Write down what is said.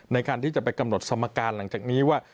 ในการที่จะไปกำหนดสมการหลังจากนี้ว่า